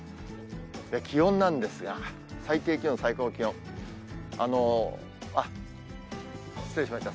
気温なんですが、最低気温、最高気温、失礼しました。